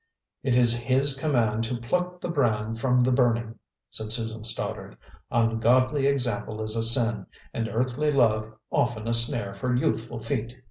"It is His command to pluck the brand from the burning," said Susan Stoddard. "Ungodly example is a sin, and earthly love often a snare for youthful feet."